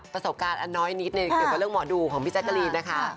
ประสบการณ์อันน้อยนิดในเรื่องหมอดูของพี่ใจกรีนนะคะ